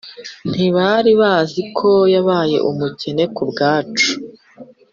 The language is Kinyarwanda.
Ntibari bazi ko yabaye umukene ku bwacu